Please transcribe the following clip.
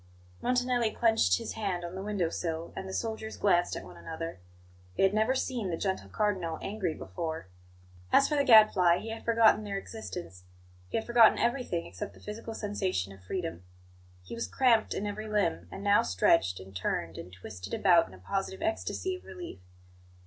Montanelli clenched his hand on the window sill, and the soldiers glanced at one another: they had never seen the gentle Cardinal angry before. As for the Gadfly, he had forgotten their existence; he had forgotten everything except the physical sensation of freedom. He was cramped in every limb; and now stretched, and turned, and twisted about in a positive ecstasy of relief.